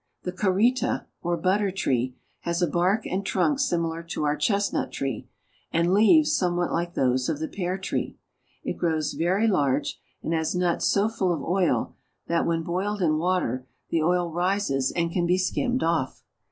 The karita, or butter tree, has a bark and trunk similar to our chestnut tree, and leaves somewhat like those of '... the pear tree. It grows very large, and has nuts so full of oil that, when boiled in water, the oil rises and can be skimmed off.